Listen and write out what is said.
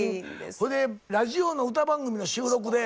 ほいでラジオの歌番組の収録で。